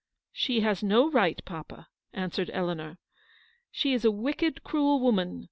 " She has no right, papa," answered Eleanor. " She is a wicked, cruel woman.